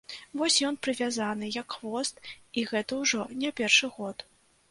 Вось ён прывязаны, як хвост, і гэта ўжо не першы год.